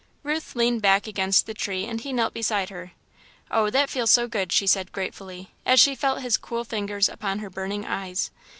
Ruth leaned back against the tree and he knelt beside her. "Oh, that feels so good," she said, gratefully, as she felt his cool fingers upon her burning eyes.